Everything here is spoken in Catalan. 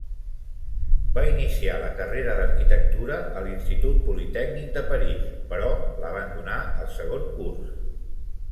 Va iniciar la carrera d'arquitectura a l'Institut Politècnic de París, però l'abandonà al segon curs.